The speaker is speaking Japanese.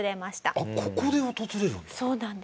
あっここで訪れるんだ？